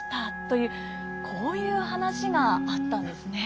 というこういう話があったんですね。